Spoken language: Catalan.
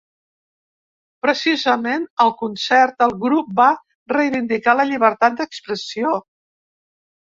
Precisament al concert, el grup va reivindicar la llibertat d’expressió.